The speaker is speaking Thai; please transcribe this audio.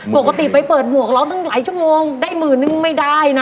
ปกติไปเปิดหมวกร้องตั้งหลายชั่วโมงได้หมื่นนึงไม่ได้นะ